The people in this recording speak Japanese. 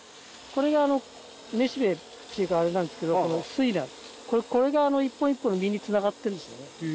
これが雌しべっていうかあれなんですけどこれが一本一本実につながってるんですよね。